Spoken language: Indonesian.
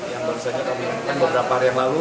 yang barusan kami menerima beberapa hari yang lalu